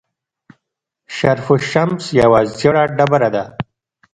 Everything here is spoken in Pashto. شرف الشمس یوه ژیړه ډبره ده.